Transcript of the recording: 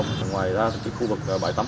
ngoài ra khu vực bãi tắm